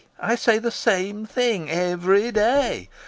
I say the same thing every day.